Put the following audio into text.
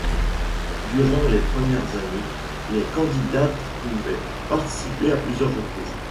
Durant les premières années, les candidates pouvaient participer à plusieurs reprises.